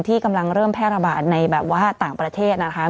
ที่กำลังเริ่มแพร่ระบาดในแบบว่าต่างประเทศนะคะ